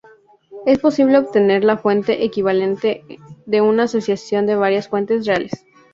Es posible obtener la fuente equivalente de una asociación de varias fuentes reales.